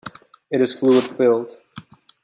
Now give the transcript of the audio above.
It is fluid filled.